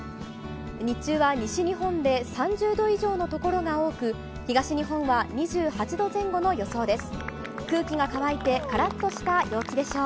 日中は西日本で３０度以上のところが多く東日本は２８度前後の予想です。